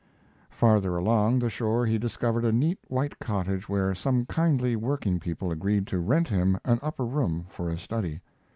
Farther along the shore he discovered a neat, white cottage were some kindly working people agreed to rent him an upper room for a study.